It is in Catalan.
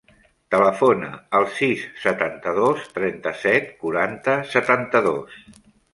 Telefona al sis, setanta-dos, trenta-set, quaranta, setanta-dos.